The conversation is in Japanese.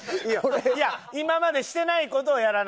いや今までしてない事をやらないと。